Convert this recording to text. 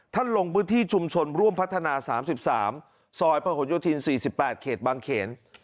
ท่านลงพื้นที่ชุมชนร่วมพัฒนาสามสิบสามซอยมหญิวทรีย์๔๘เขตบังเขียน